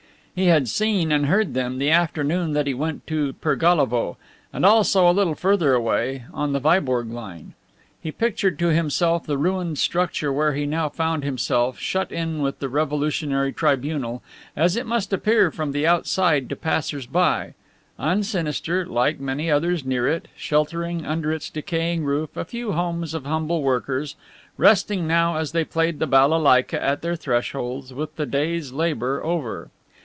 He had seen and heard them the afternoon that he went to Pergalovo, and also a little further away, on the Viborg line. He pictured to himself the ruined structure where he now found himself shut in with the revolutionary tribunal, as it must appear from the outside to passers by; unsinister, like many others near it, sheltering under its decaying roof a few homes of humble workers, resting now as they played the balalaika at their thresholds, with the day's labor over.